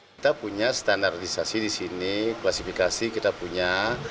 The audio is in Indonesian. kita punya standarisasi di sini klasifikasi kita punya